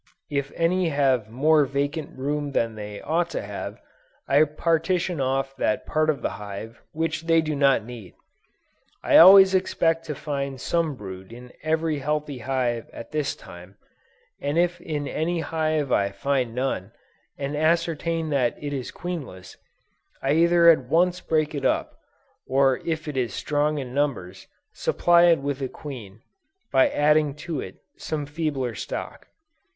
If any have more vacant room than they ought to have, I partition off that part of the hive which they do not need. I always expect to find some brood in every healthy hive at this time, and if in any hive I find none, and ascertain that it is queenless, I either at once break it up, or if it is strong in numbers supply it with a queen, by adding to it some feebler stock.